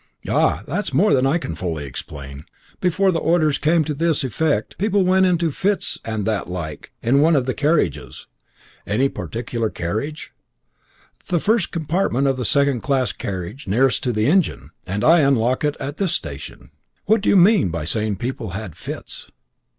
"Ah! that's more than I can fully explain. Before the orders came to this effect, people went into fits and that like, in one of the carriages." "Any particular carriage?" "The first compartment of the second class carriage nearest to the engine. It is locked at Brighton, and I unlock it at this station." "What do you mean by saying that people had fits?"